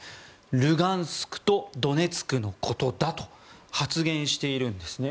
ルガンスクとドネツクのことだと発言しているんですね。